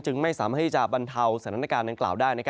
ไม่สามารถที่จะบรรเทาสถานการณ์ดังกล่าวได้